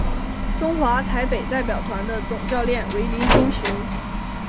中华台北代表团的总教练为林忠雄。